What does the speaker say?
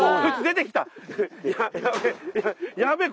やべえ。